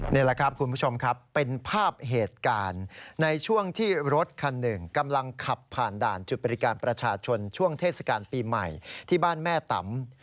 นี่แหละครับคุณผู้ชมครับเป็นภาพเหตุการณ์ในช่วงที่รถคันหนึ่งกำลังขับผ่านด่านจุดบริการประชาชนช่วงเทศกาลปีใหม่ที่บ้านแม่ตำ